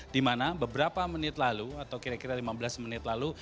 di mana beberapa menit lalu atau kira kira lima belas menit lalu